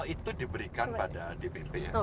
itu diberikan pada dpp